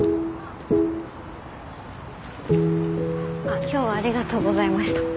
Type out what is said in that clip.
あ今日はありがとうございました。